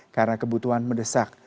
karena kebutuhan medesak